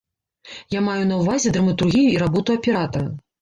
Я маю на ўвазе драматургію і работу аператара.